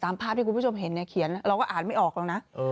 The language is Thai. ตามภาพที่คุณผู้ชมเห็นเนี่ยเขียนเราก็อ่านไม่ออกหรอกนะ